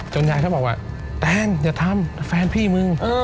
จนยายเขาบอกว่าแต้งอย่าทำแฟนพี่มึง